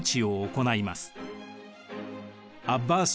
アッバース